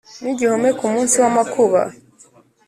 ni igihome ku munsi w’amakuba